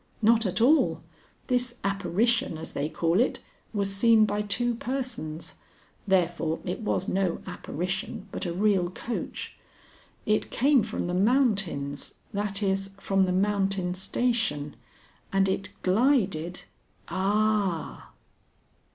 "Not at all. This apparition, as they call it, was seen by two persons; therefore it was no apparition but a real coach. It came from the mountains, that is, from the Mountain Station, and it glided ah!"